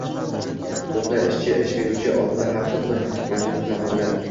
– bizda ishchi ish beruvchi oldida haqsiz bir mavjudot maqomida.